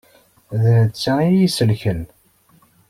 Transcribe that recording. D netta i yi-isellken.